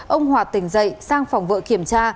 ông hoạt tỉnh dậy sang phòng vợ kiểm tra